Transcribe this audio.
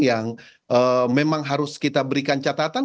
yang memang harus kita berikan catatan